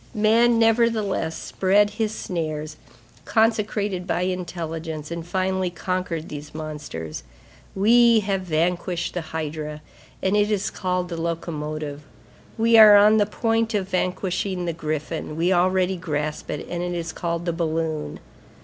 Man, nevertheless, spread his snares, consecrated by intelligence, and finally conquered these monsters. We have vanquished the hydra, and it is called the locomotive; we are on the point of vanquishing the griffin, we already grasp it, and it is called the balloon.